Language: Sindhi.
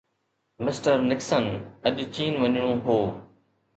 مسٽر نڪسن اڄ چين وڃڻو هو